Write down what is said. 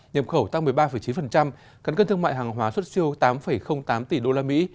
nhập khẩu tăng một mươi ba chín cắn cân thương mại hàng hóa xuất siêu tám tám tỷ usd